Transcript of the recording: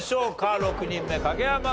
６人目影山さん